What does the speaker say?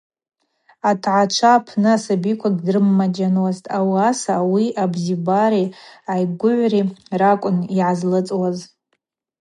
Атгӏачва апны асабиква гьдымрымаджьануазтӏ, ауаса ауи абзибари айгвыгӏври ракӏвын йгӏазлыцӏуаз.